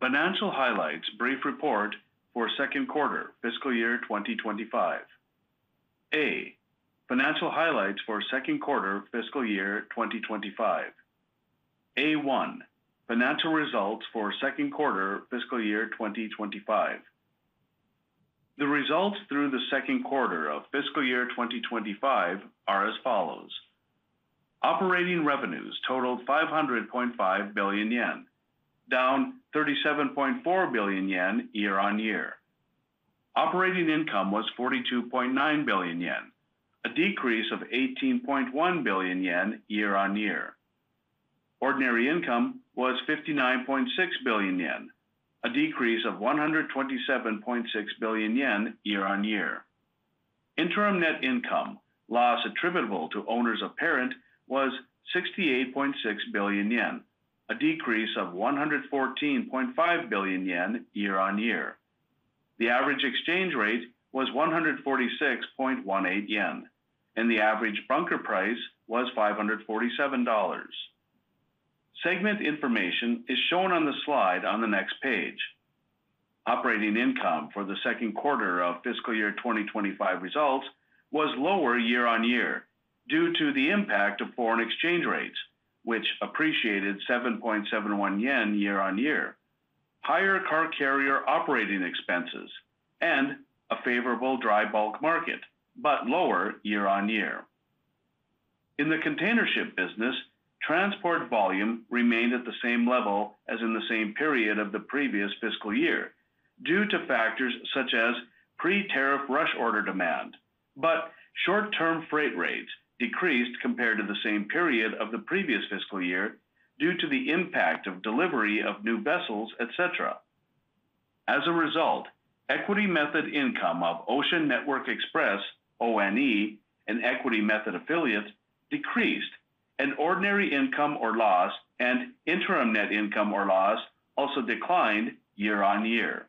Financial highlights brief report for Second Quarter, fiscal year 2025. A. Financial highlights for Second Quarter, fiscal year 2025. A.1. Financial results for Second Quarter, fiscal year 2025. The results through the Second Quarter of fiscal year 2025 are as follows: Operating revenues totaled 500.5 billion yen, down 37.4 billion yen Year-on-Year. Operating income was 42.9 billion yen, a decrease of 18.1 billion yen Year-on-Year. Ordinary income was 59.6 billion yen, a decrease of 127.6 billion yen Year-on-Year. Interim net income, loss attributable to owners apparent, was 68.6 billion yen, a decrease of 114.5 billion yen Year-on-Year. The average exchange rate was 146.18 yen, and the average bunker price was $547. Segment information is shown on the slide on the next page. Operating income for the Second Quarter of fiscal year 2025 results was lower Year-on-Year due to the impact of foreign exchange rates, which appreciated 7.71 Yen Year-on-Year, higher car carrier operating expenses, and a favorable dry bulk market, but lower Year-on-Year. In the containership business, transport volume remained at the same level as in the same period of the previous fiscal year due to factors such as pre-term rush order demand, but short-term freight rates decreased compared to the same period of the previous fiscal year due to the impact of delivery of new vessels, etc. As a result, equity method income of Ocean Network Express, ONE, and equity method affiliates decreased, and ordinary income or loss and interim net income or loss also declined Year-on-Year.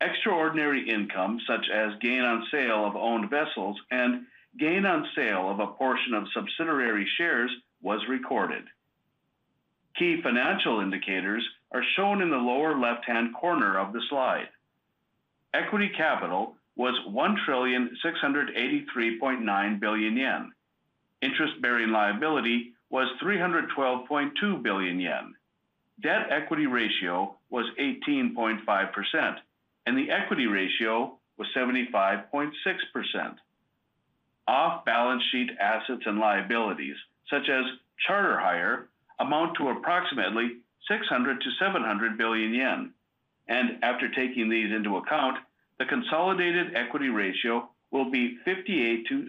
Extraordinary income, such as gain on sale of owned vessels and gain on sale of a portion of subsidiary shares, was recorded. Key financial indicators are shown in the lower left-hand corner of the slide. Equity capital was 1,683.9 billion yen. Interest-bearing liability was 312.2 billion yen. Debt-Equity ratio was 18.5%, and the Equity ratio was 75.6%. Off-Balance Sheet Assets and Liabilities, such as charter hire, amount to approximately 600-700 billion yen, and after taking these into account, the consolidated equity ratio will be 58-60%.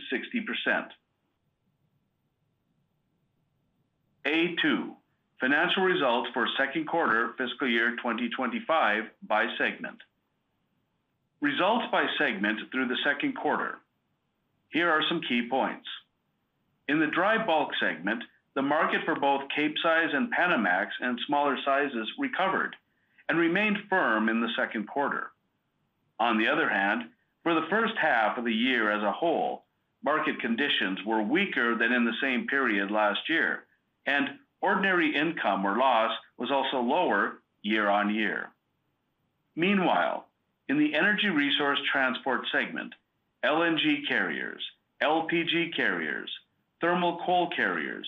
A.2. Financial results for Second Quarter, fiscal year 2025 by segment. Results by segment through the Second Quarter. Here are some key points. In the dry bulk segment, the market for both Cape Size and Panamax and smaller sizes recovered and remained firm in the Second Quarter. On the other hand, for the first half of the year as a whole, market conditions were weaker than in the same period last year, and ordinary income or loss was also lower Year-on-Year. Meanwhile, in the energy resource transport segment, LNG carriers, LPG carriers, thermal coal carriers,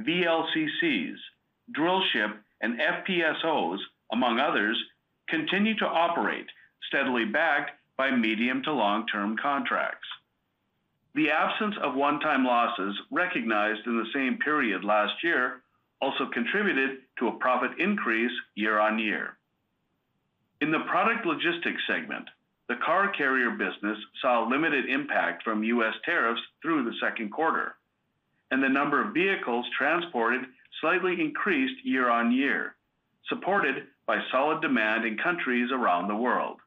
VLCCs, drill ship, and FPSOs, among others, continue to operate, steadily backed by medium to long-term contracts. The absence of one-time losses recognized in the same period last year also contributed to a profit increase Year-on-Year. In the product logistics segment, the car carrier business saw limited impact from U.S. tariffs through the Second Quarter, and the number of vehicles transported slightly increased Year-on-Year, supported by solid demand in countries around the world.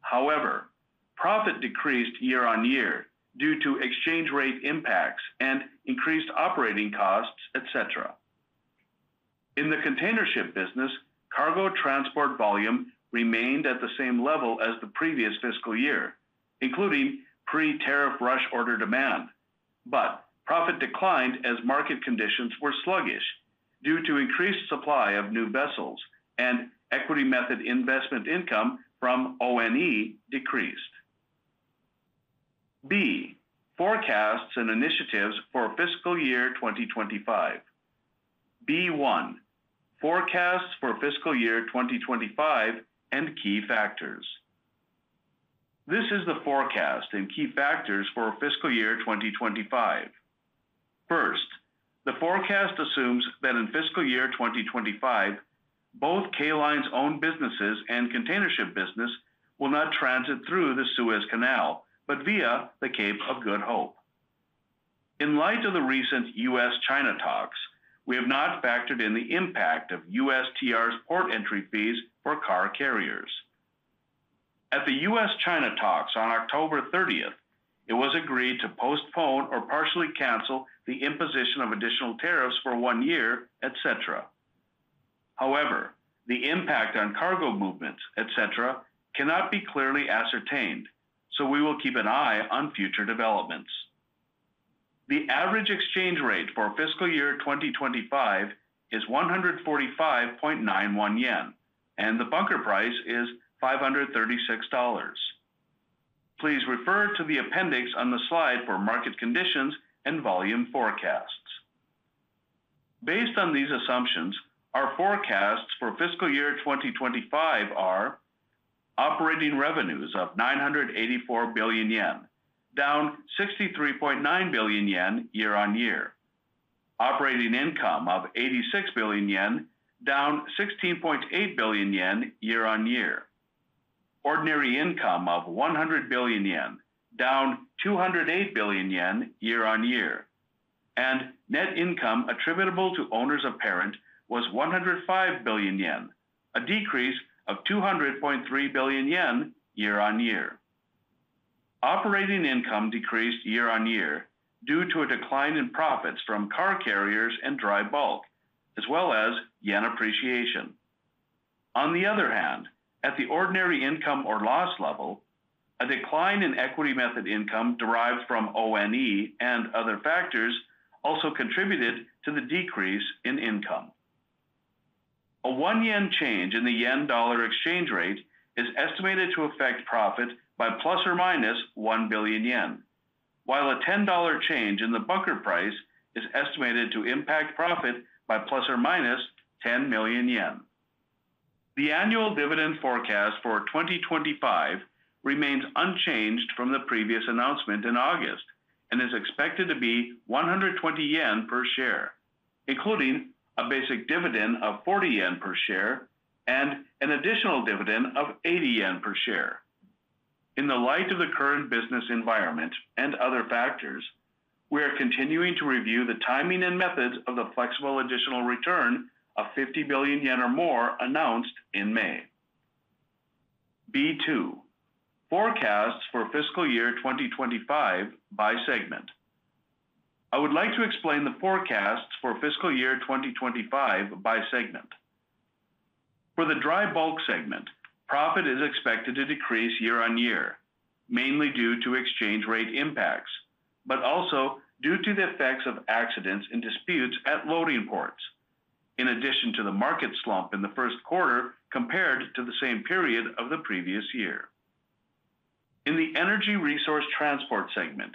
However, profit decreased Year-on-Year due to exchange rate impacts and increased operating costs, etc. In the containership business, cargo transport volume remained at the same level as the previous fiscal year, including pre-term rush order demand, but profit declined as market conditions were sluggish due to increased supply of new vessels and equity method investment income from ONE decreased. B. Forecasts and initiatives for fiscal year 2025. B.1. Forecasts for fiscal year 2025 and key factors. This is the forecast and key factors for fiscal year 2025. First, the forecast assumes that in fiscal year 2025, both K Line's own businesses and containership business will not transit through the Suez Canal, but via the Cape of Good Hope. In light of the recent U.S.-China talks, we have not factored in the impact of U.S. TR's port entry fees for car carriers. At the U.S.-China talks on October 30th, it was agreed to postpone or partially cancel the imposition of additional tariffs for one year, etc. However, the impact on cargo movements, etc., cannot be clearly ascertained, so we will keep an eye on future developments. The average exchange rate for fiscal year 2025 is 145.91 yen, and the bunker price is $536. Please refer to the appendix on the slide for market conditions and volume forecasts. Based on these assumptions, our forecasts for fiscal year 2025 are: operating revenues of 984 billion yen, down 63.9 billion yen Year-on-Year; operating income of 86 billion yen, down 16.8 billion yen Year-on-Year; ordinary income of 100 billion yen, down 208 billion yen Year-on-Year; and net income attributable to owners apparent was 105 billion yen, a decrease of 200.3 billion yen Year-on-Year. Operating income decreased Year-on-Year due to a decline in profits from car carriers and dry bulk, as well as yen appreciation. On the other hand, at the ordinary income or loss level, a decline in equity method income derived from ONE and other factors also contributed to the decrease in income. A one-yen change in the yen-dollar exchange rate is estimated to affect profit by plus or minus 1 billion yen, while a $10 change in the bunker price is estimated to impact profit by plus or minus 10 million yen. The annual dividend forecast for 2025 remains unchanged from the previous announcement in August and is expected to be 120 yen per share, including a basic dividend of 40 yen per share and an additional dividend of 80 yen per share. In the light of the current business environment and other factors, we are continuing to review the timing and methods of the flexible additional return of 50 billion yen or more announced in May. B.2. Forecasts for fiscal year 2025 by segment. I would like to explain the forecasts for fiscal year 2025 by segment. For the dry bulk segment, profit is expected to decrease Year-on-Year, mainly due to exchange rate impacts, but also due to the effects of accidents and disputes at loading ports, in addition to the market slump in the first quarter compared to the same period of the previous year. In the energy resource transport segment,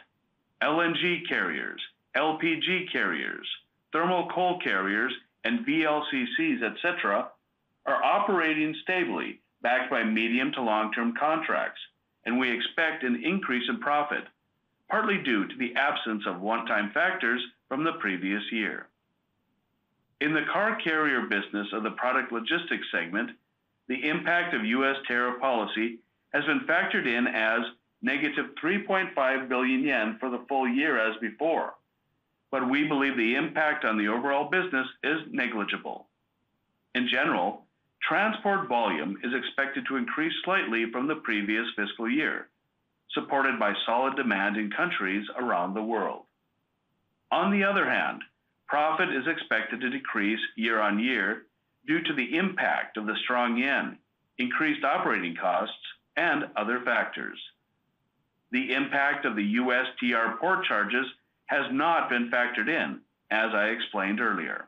LNG carriers, LPG carriers, thermal coal carriers, and VLCCs, etc., are operating stably backed by medium to long-term contracts, and we expect an increase in profit, partly due to the absence of one-time factors from the previous year. In the car carrier business of the product logistics segment, the impact of U.S. tariff policy has been factored in as negative 3.5 billion yen for the full year as before, but we believe the impact on the overall business is negligible. In general, transport volume is expected to increase slightly from the previous fiscal year, supported by solid demand in countries around the world. On the other hand, profit is expected to decrease Year-on-Year due to the impact of the strong yen, increased operating costs, and other factors. The impact of the U.S. TR port charges has not been factored in, as I explained earlier.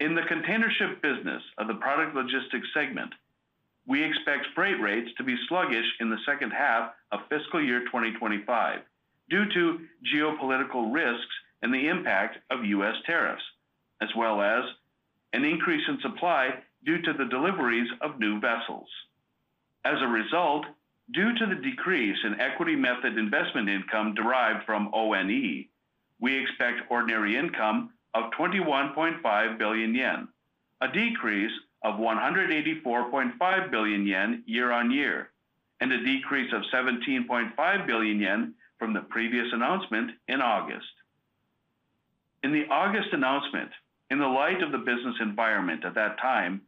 In the containership business of the product logistics segment, we expect freight rates to be sluggish in the second half of fiscal year 2025 due to geopolitical risks and the impact of U.S. tariffs, as well as an increase in supply due to the deliveries of new vessels. As a result, due to the decrease in equity method investment income derived from ONE, we expect ordinary income of 21.5 billion yen, a decrease of 184.5 billion yen Year-on-Year, and a decrease of 17.5 billion yen from the previous announcement in August. In the August announcement, in the light of the business environment at that time,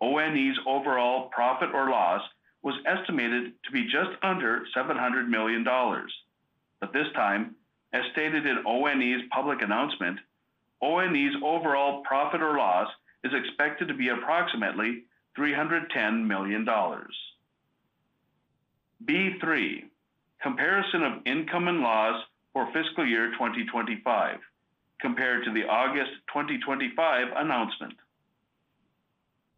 ONE's overall profit or loss was estimated to be just under $700 million, but this time, as stated in ONE's public announcement, ONE's overall profit or loss is expected to be approximately $310 million. B.3. Comparison of income and loss for fiscal year 2025 compared to the August 2025 announcement.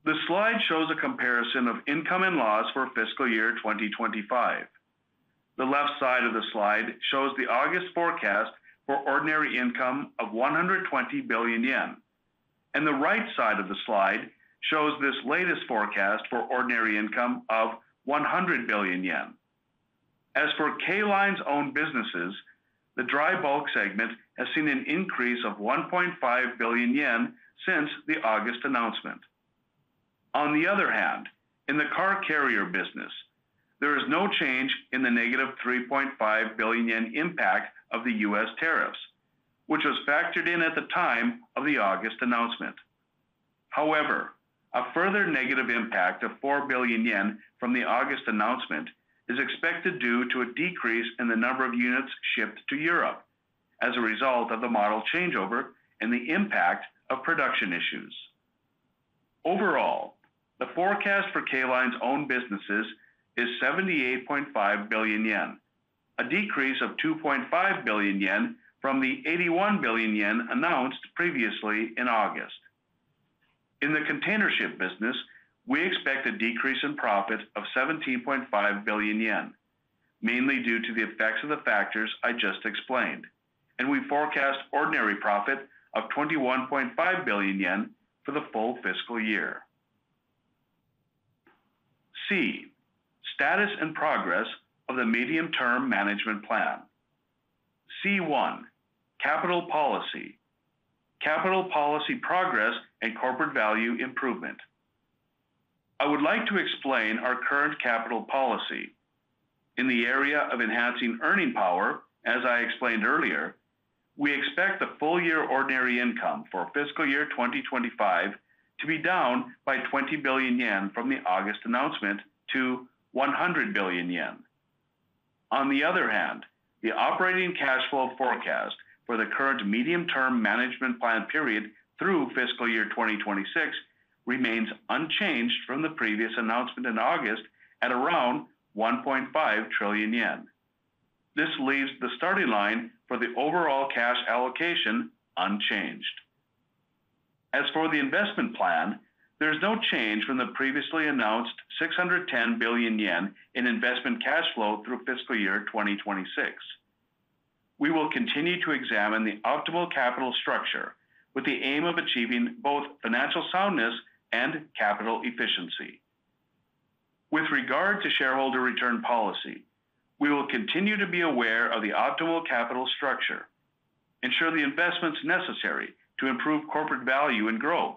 The slide shows a comparison of income and loss for fiscal year 2025. The left side of the slide shows the August forecast for ordinary income of 120 billion yen, and the right side of the slide shows this latest forecast for ordinary income of 100 billion yen. As for K Line's own businesses, the dry bulk segment has seen an increase of 1.5 billion yen since the August announcement. On the other hand, in the car carrier business, there is no change in the negative 3.5 billion yen impact of the U.S. tariffs, which was factored in at the time of the August announcement. However, a further negative impact of 4 billion yen from the August announcement is expected due to a decrease in the number of units shipped to Europe as a result of the model changeover and the impact of production issues. Overall, the forecast for K Line's own businesses is 78.5 billion yen, a decrease of 2.5 billion yen from the 81 billion yen announced previously in August. In the containership business, we expect a decrease in profit of 17.5 billion yen, mainly due to the effects of the factors I just explained, and we forecast ordinary profit of 21.5 billion yen for the full fiscal year. C. Status and progress of the medium-term management plan. C.1. Capital policy. Capital policy progress and corporate value improvement. I would like to explain our current capital policy. In the area of enhancing earning power, as I explained earlier, we expect the full-year ordinary income for fiscal year 2025 to be down by 20 billion yen from the August announcement to 100 billion yen. On the other hand, the operating cash flow forecast for the current medium-term management plan period through fiscal year 2026 remains unchanged from the previous announcement in August at around 1.5 trillion yen. This leaves the starting line for the overall cash allocation unchanged. As for the investment plan, there is no change from the previously announced 610 billion yen in investment cash flow through fiscal year 2026. We will continue to examine the optimal capital structure with the aim of achieving both financial soundness and capital efficiency. With regard to shareholder return policy, we will continue to be aware of the optimal capital structure, ensure the investments necessary to improve corporate value and growth,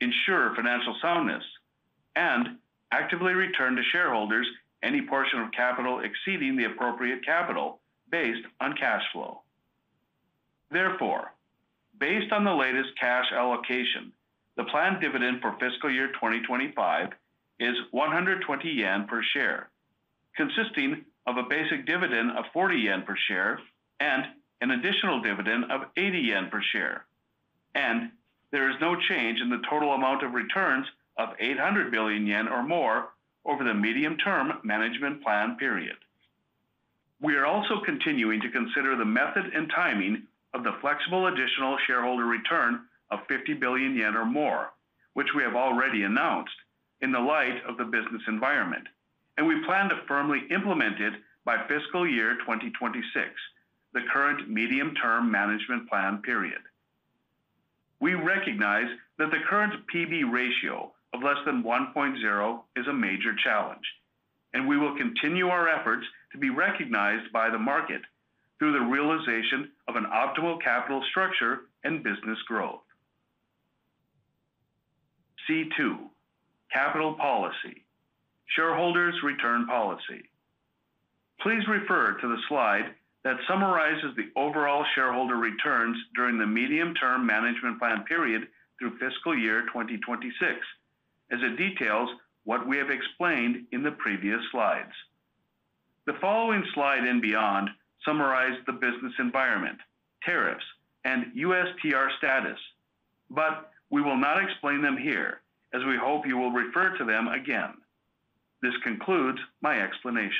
ensure financial soundness, and actively return to shareholders any portion of capital exceeding the appropriate capital based on cash flow. Therefore, based on the latest cash allocation, the planned dividend for fiscal year 2025 is 120 yen per share, consisting of a basic dividend of 40 yen per share and an additional dividend of 80 yen per share, and there is no change in the total amount of returns of 800 billion yen or more over the medium-term management plan period. We are also continuing to consider the method and timing of the flexible additional shareholder return of 50 billion yen or more, which we have already announced in the light of the business environment, and we plan to firmly implement it by fiscal year 2026, the current medium-term management plan period. We recognize that the current P/B ratio of less than 1.0 is a major challenge, and we will continue our efforts to be recognized by the market through the realization of an optimal capital structure and business growth. C.2. Capital policy. Shareholders' return policy. Please refer to the slide that summarizes the overall shareholder returns during the medium-term management plan period through fiscal year 2026, as it details what we have explained in the previous slides. The following slide and beyond summarize the business environment, tariffs, and U.S. TR status, but we will not explain them here, as we hope you will refer to them again. This concludes my explanation.